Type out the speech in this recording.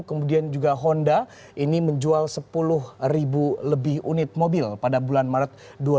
kemudian juga honda ini menjual sepuluh ribu lebih unit mobil pada bulan maret dua ribu dua puluh